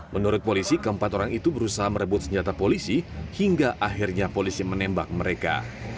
menurut polisi keempat orang itu berusaha merebut senjata polisi hingga akhirnya polisi menembak mereka